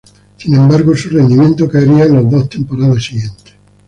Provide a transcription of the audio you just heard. Sin embargo su rendimiento caería en las dos temporadas siguientes.